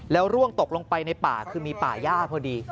แล้วร่วงตกลงไปในป่าคือมีป่าย่าพอดี